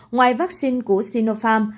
ngoài vaccine của sinopharm